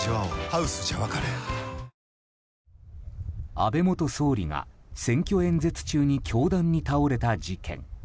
安倍元総理が選挙演説中に凶弾に倒れた事件。